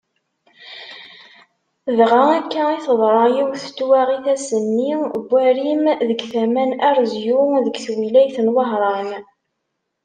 Dɣa akka i teḍra yiwet n twaɣit ass-nni n warim deg tama n Arezyu deg twilayt n Wehran.